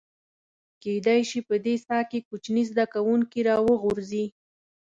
کېدای شي په دې څاه کې کوچني زده کوونکي راوغورځي.